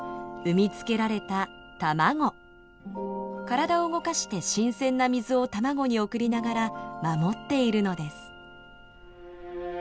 体を動かして新鮮な水を卵に送りながら守っているのです。